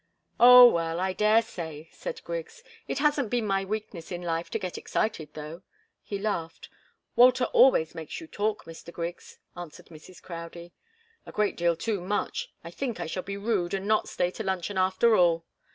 "Oh well I daresay," said Griggs. "It hasn't been my weakness in life to get excited, though." He laughed. "Walter always makes you talk, Mr. Griggs," answered Mrs. Crowdie. "A great deal too much. I think I shall be rude, and not stay to luncheon, after all."